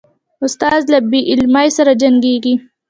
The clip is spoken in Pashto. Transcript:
استاد له بې علمۍ سره جنګیږي.